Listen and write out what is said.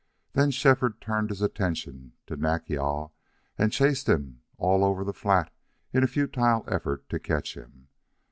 Then Shefford turned his attention to Nack yal and chased him all over the flat in a futile effort to catch him.